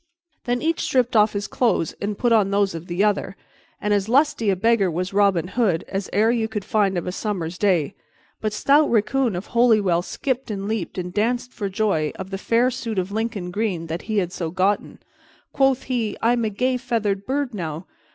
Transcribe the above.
Then each stripped off his clothes and put on those of the other, and as lusty a beggar was Robin Hood as e'er you could find of a summer's day. But stout Riccon of Holywell skipped and leaped and danced for joy of the fair suit of Lincoln green that he had so gotten. Quoth he, "I am a gay feathered bird now.